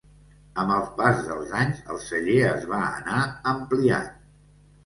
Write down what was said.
Amb el pas dels anys, el celler es va anar ampliant.